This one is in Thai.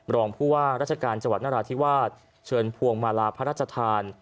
รองผู้ว่าราชการจังหวัดนราธิวาสเชิญพวงมาลาพระราชทาน